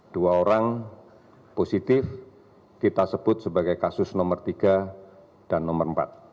dua orang positif kita sebut sebagai kasus nomor tiga dan nomor empat